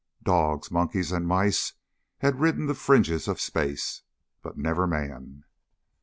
Dogs, monkeys and mice had ridden the fringes of space. But never man.